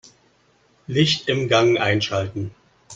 Licht im Gang einschalten.